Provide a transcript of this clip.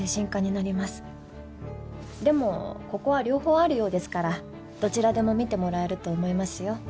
でもここは両方あるようですからどちらでも診てもらえると思いますよ。